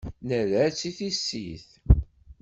Nerra-tt i tissit.